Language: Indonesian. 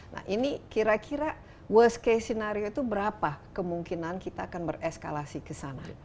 nah ini kira kira worst case scenario itu berapa kemungkinan kita akan bereskalasi ke sana